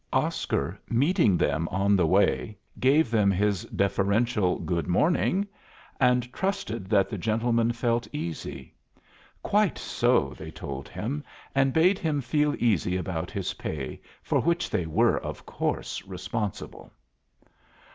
Oscar, meeting them on the way, gave them his deferential "Good morning," and trusted that the gentlemen felt easy. Quite so, they told him, and bade him feel easy about his pay, for which they were, of course, responsible.